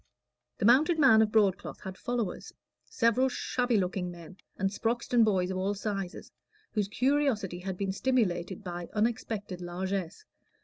The mounted man of broadcloth had followers: several shabby looking men, and Sproxton boys of all sizes, whose curiosity had been stimulated by unexpected largesse.